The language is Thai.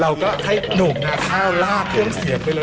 เราก็ให้หนูนาข้าวลากเครื่องเสียไปเลย